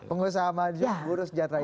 pengusaha maju buruh sejahtera